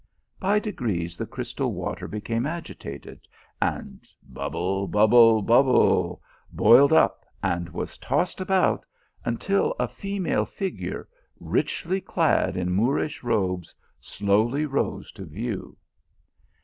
By degrees the crystal water became agi tated, and, bubble bubble bubble, boiled up, and was tossed about until a female figure, richly clad in Moorish robes, slowly rose to view.